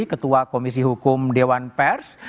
ketua komisi hukum dewan pers